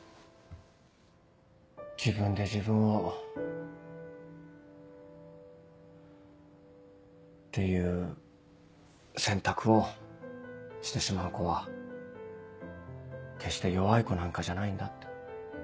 自分で自分を。っていう選択をしてしまう子は決して弱い子なんかじゃないんだって。